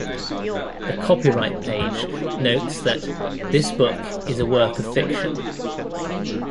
The copyright page notes that "This book is a work of fiction".